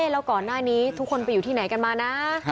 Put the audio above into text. แล้วก่อนหน้านี้ทุกคนไปอยู่ที่ไหนกันมานะ